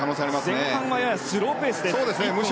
前半はスローペース。